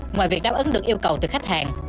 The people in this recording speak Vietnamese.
ngoài việc đáp ứng được yêu cầu từ khách hàng